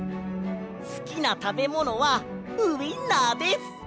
すきなたべものはウインナーです！